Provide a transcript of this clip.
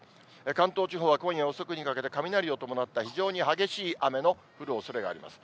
関東地方は今夜遅くにかけて雷を伴った非常に激しい雨の降るおそれがあります。